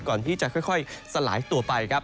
ก่อนที่จะค่อยสลายตัวไปครับ